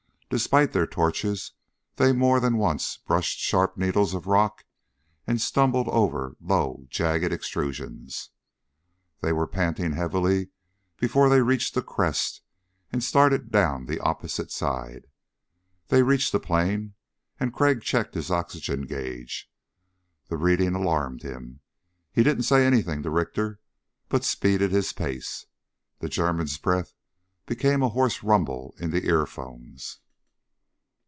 Despite their torches they more than once brushed sharp needles of rock and stumbled over low jagged extrusions. They were panting heavily before they reached the crest and started down the opposite side. They reached the plain and Crag checked his oxygen gauge. The reading alarmed him. He didn't say anything to Richter but speeded his pace. The German's breath became a hoarse rumble in the earphones.